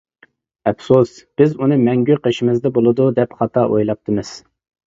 ئەپسۇس، بىز ئۇنى مەڭگۈ قېشىمىزدا بولىدۇ دەپ خاتا ئويلاپتىمىز.